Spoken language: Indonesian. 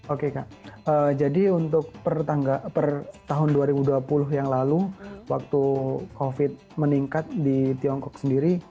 oke kak jadi untuk per tahun dua ribu dua puluh yang lalu waktu covid meningkat di tiongkok sendiri